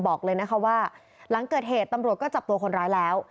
บอกเลยนะคะว่าหลังเกิดเหตุตำรวจก็จับตัวคนร้ายแล้ว